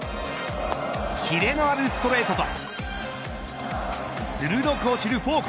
切れのあるストレートと鋭く落ちるフォーク。